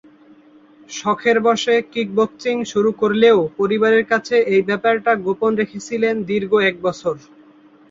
শখের বশে kick boxing শুরু করলেও পরিবারের কাছে এই ব্যাপারটা গোপন রেখেছিলেন দীর্ঘ এক বছর।